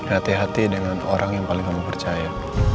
hati hati dengan orang yang paling kamu percaya